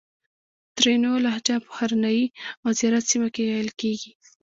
ترینو لهجه په هرنایي او زیارت سیمه کښې ویل کیږي